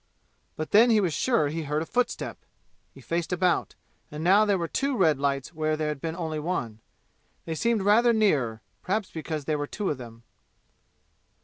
But then he was sure he heard a footstep! He faced about; and now there were two red lights where there had been only one. They seemed rather nearer, perhaps because there were two of them.